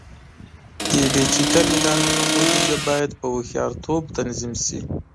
د ډیجیټل اعلانونو بودیجه باید په هوښیارتوب تنظیم شي.